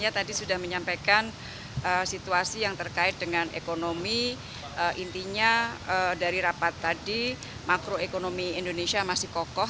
saya tadi sudah menyampaikan situasi yang terkait dengan ekonomi intinya dari rapat tadi makroekonomi indonesia masih kokoh